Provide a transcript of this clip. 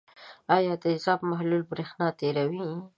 آیا د تیزاب محلول برېښنا تیروي؟